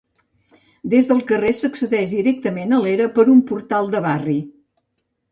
Des del carrer s'accedeix directament a l'era per un portal de barri.